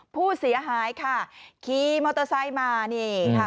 ผู้เสียหายค่ะขี่มอเตอร์ไซค์มานี่ค่ะ